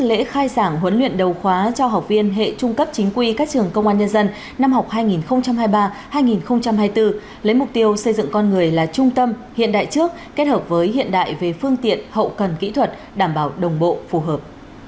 lễ khai giảng huấn luyện đầu khóa cho học viên hệ trung cấp chính quy các trường công an nhân dân năm học hai nghìn hai mươi ba hai nghìn hai mươi bốn lấy mục tiêu xây dựng con người là trung tâm hiện đại trước kết hợp với hiện đại về phương tiện hậu cần kỹ thuật đảm bảo đồng bộ phù hợp